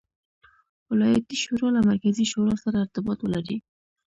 ولایتي شورا له مرکزي شورا سره ارتباط ولري.